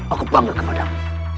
aku bangga kepadamu